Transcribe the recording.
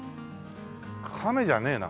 亀じゃねえな。